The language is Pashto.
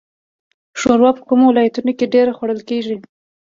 شوروا په کومو ولایتونو کې ډیره خوړل کیږي؟